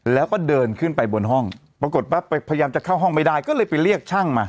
แล้วก็เดินขึ้นไปบนห้องปรากฏว่าพยายามจะเข้าห้องไม่ได้ก็เลยไปเรียกช่างมา